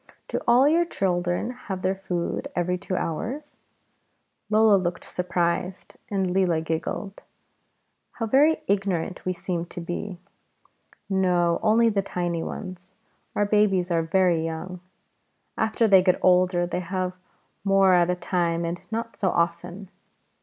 "Do all your children have their food every two hours?" Lola looked surprised, and Leela giggled: how very ignorant we seemed to be! "No, only the tiny ones; our babies are very young. After they get older they have more at a time and not so often.